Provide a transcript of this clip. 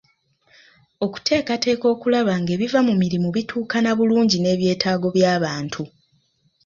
Okuteekateeka okulaba ng'ebiva mu mirimu bituukana bulungi n'ebyetaago by'abantu.